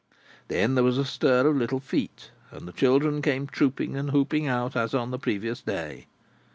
Then, there was a stir of little feet, and the children came trooping and whooping out, as on the previous day.